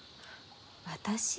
私？